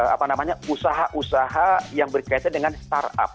apa namanya usaha usaha yang berkaitan dengan startup